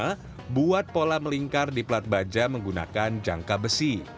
pertama buat pola melingkar di plat baja menggunakan jangka besi